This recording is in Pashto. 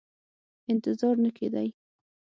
انتظار نه کېدی.